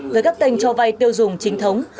với các tên cho vay tiêu dùng chính thống